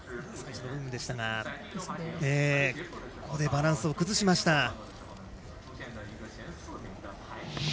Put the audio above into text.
ここでバランスを崩しました。